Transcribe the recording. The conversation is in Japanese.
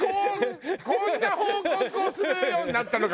こんな報告をするようになったのか？